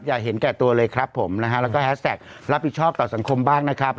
เห็นแก่ตัวเลยครับผมนะฮะแล้วก็แฮสแท็กรับผิดชอบต่อสังคมบ้างนะครับ